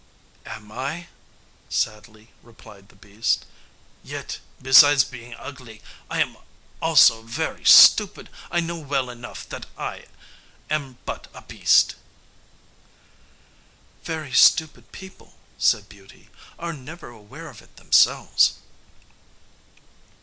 "Am I?" sadly replied the beast; "yet, besides being ugly, I am also very stupid: I know well enough that I am but a beast." "Very stupid people," said Beauty, "are never aware of it themselves."